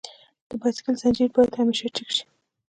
د بایسکل زنجیر باید همیشه چک شي.